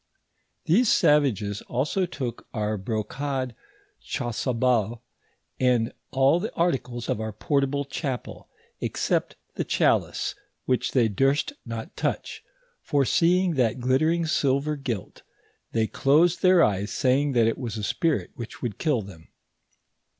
These savages also took our brocade chasuble, and all the articles of our portable chapel, except the chalice, which they durst not touch ; for seeing that glittering silver gilt, they dosed their eyes, saying that it was a spirit which would kill them.